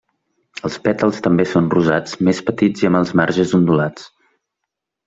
Els pètals també són rosats, més petits i amb els marges ondulats.